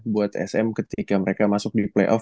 buat sm ketika mereka masuk di playoff